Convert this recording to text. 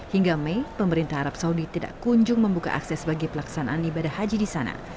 hingga mei pemerintah arab saudi tidak kunjung membuka akses bagi pelaksanaan ibadah haji di sana